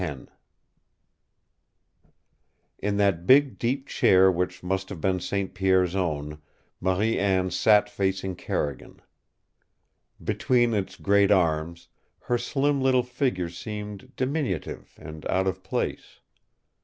X In that big, deep chair which must have been St. Pierre's own, Marie Anne sat facing Carrigan. Between its great arms her slim little figure seemed diminutive and out of place.